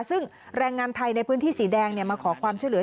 ซึ่งแรงงานไทยในพื้นที่สีแดงมาขอความช่วยเหลือ